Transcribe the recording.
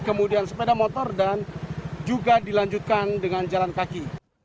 kemudian sepeda motor dan juga dilanjutkan dengan jalan kaki